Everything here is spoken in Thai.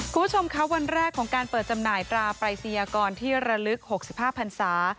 คุณผู้ชมค่ะวันแรกของการเปิดจำหน่ายตราปลายเซียกรที่ระลึกหกสิบห้าพันธุ์สา